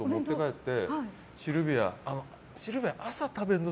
って。